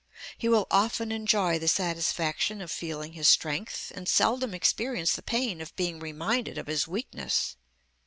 He will often enjoy the satisfaction of feeling his strength, and seldom experience the pain of being reminded of his weakness.